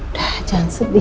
udah jangan sedih